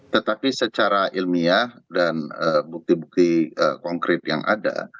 tetapi secara ilmiah dan bukti bukti konkret yang ada